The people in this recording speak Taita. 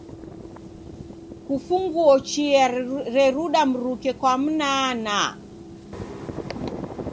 Kufunguo chia reruda mruke kwa mnaanaa.